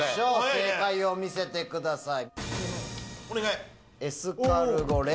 正解を見せてください。